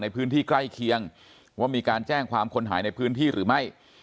ในพื้นที่ใกล้เคียงว่ามีการแจ้งความคนหายในพื้นที่หรือไม่